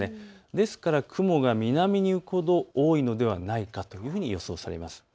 ですから雲が南ほど多いのではないかというふうに予想されます。